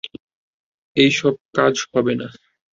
এই সব কাজ হবে না।